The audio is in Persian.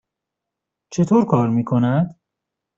چطور کار می کند؟